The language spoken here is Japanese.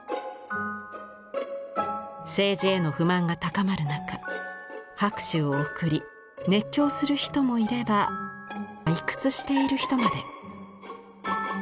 政治への不満が高まる中拍手を送り熱狂する人もいれば退屈している人まで。